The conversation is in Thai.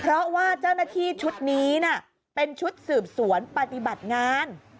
เพราะว่าเจ้าหน้าที่ชุดนี้เป็นชุดสืบสวนปฏิบัติงาน